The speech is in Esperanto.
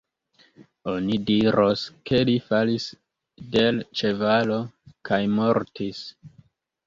Oni diros, ke li falis de l' ĉevalo kaj mortis.